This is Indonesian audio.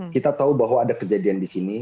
kita tahu bahwa ada kejadian di sini